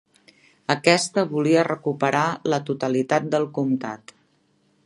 Aquesta volia recuperar la totalitat del comtat.